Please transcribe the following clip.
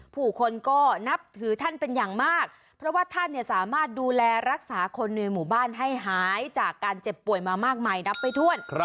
ผู้คนก็นับถือท่านเป็นอย่างมากเพราะว่าท่านสามารถดูแลรักษาคนในหมู่บ้านให้หายจากการเจ็บป่วยมามากมายนับไปถ้วน